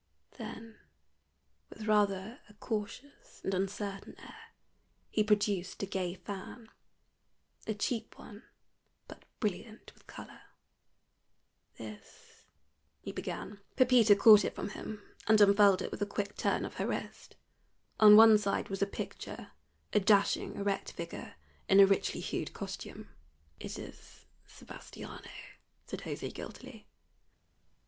Then with rather a cautious and uncertain air he produced a gay fan a cheap one, but brilliant with color. "This " he began. Pepita caught it from him, and unfurled it with a quick turn of her wrist. On one side was a picture a dashing erect figure, in a richly hued costume. "It is Sebastiano," said José, guiltily.